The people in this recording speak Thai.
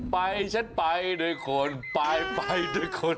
ไปฉันไปโดยคนไปโดยคน